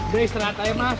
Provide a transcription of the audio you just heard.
beristirahat aja mas